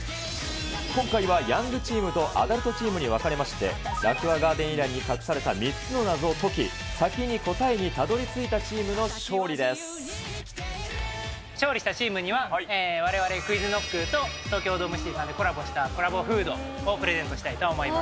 今回はヤングチームとアダルトチームに分かれまして、ラクーアガーデン内に隠された３つの謎を解き、先に答えにたどり勝利したチームには、われわれＱｕｉｚＫｎｏｃｋと東京ドームシティさんでコラボしたコラボフードをプレゼントしたいと思います。